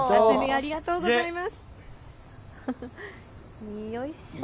ありがとうございます。